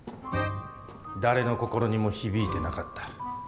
誰の心にも響いてなかった。